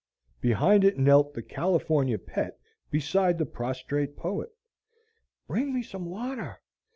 Behind it knelt the "California Pet" beside the prostrate poet. "Bring me some water.